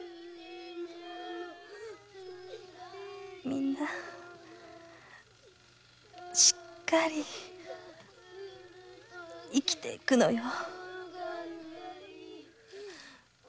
みんなしっかり生きていくのよ。